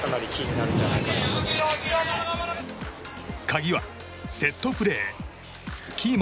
鍵はセットプレー。